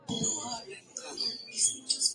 La película fue rodada en Barcelona.